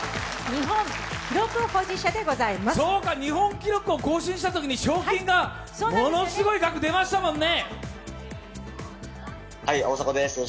日本記録を更新したときに賞金がものすごい額出ましたもんね。